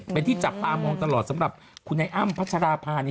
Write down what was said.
เป็นที่จับตามองตลอดสำหรับคุณไอ้อ้ำพัชราภา